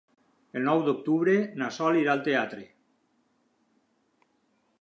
El nou d'octubre na Sol irà al teatre.